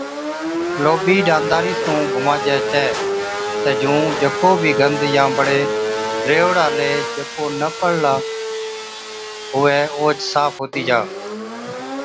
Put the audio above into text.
لوٻِي ڏاندارِي سُون گھُماجَي ڇَي تہ جُون جڪو بِي گند يان بڙي ريهوڙا ليه جڪو نہ ٻڙلا هُوَي اوهچ صاف هُتِي جا۔